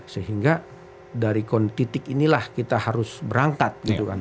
sehingga dari titik inilah kita harus berangkat gitu kan